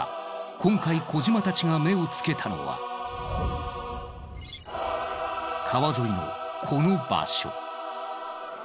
今回小島たちが目をつけたのは川沿いのこの場所。